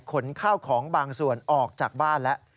ขนข้าวของบางส่วนออกจากบ้านแล้ว